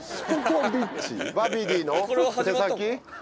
バビディの手先？